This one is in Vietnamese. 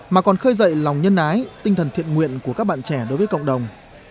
mà còn khơi dậy lòng nhân ái tinh thần thiện nguyện của các bạn trẻ đối với cộng đồng